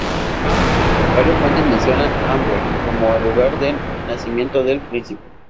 Varias fuentes mencionan Amberg como el lugar de nacimiento del príncipe.